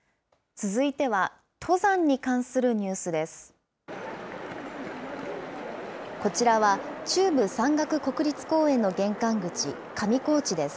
続いては、登山に関するニュースです。